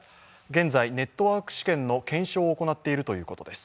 現在、ネットワーク試験の検証を行っているということです。